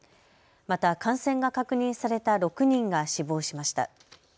また感染が確認された６人が死亡しました。